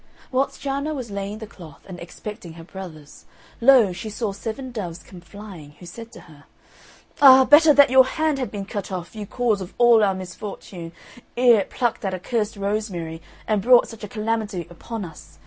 Whilst Cianna was laying the cloth, and expecting her brothers, lo! she saw seven doves come flying, who said to her, "Ah! better that your hand had been cut off, you cause of all our misfortune, ere it plucked that accursed rosemary and brought such a calamity upon us!